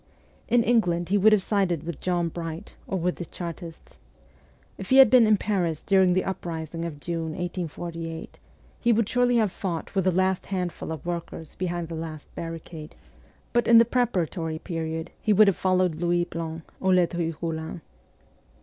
In England he would have sided with John Bright or with the Chartists. If he had been in Paris during the uprising of June, 1848, he would surely have fought with the last handful of workers behind the last barricade ; but in the preparatory period he would have followed Louis Blanc or Ledru Eollin.